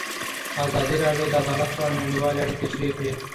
ازادي راډیو د عدالت په اړه نړیوالې اړیکې تشریح کړي.